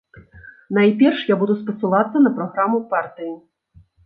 Найперш, я буду спасылацца на праграму партыі.